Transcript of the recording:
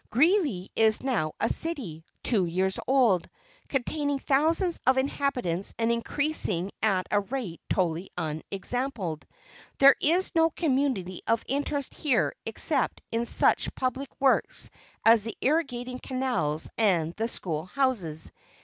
Greeley is now a city, two years old, containing thousands of inhabitants and increasing at a rate totally unexampled. There is no community of interests here except in such public works as the irrigating canals and the school houses.